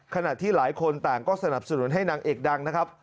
ขณะที่หลายคนต่างก็สนับสนุนให้นางเอกดังนะครับ